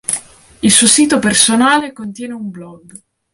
Il suo sito personale contiene un blog.